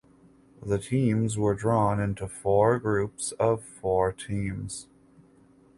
The teams were drawn into four groups of four teams.